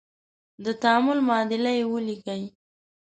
د تعامل معادله یې ولیکئ.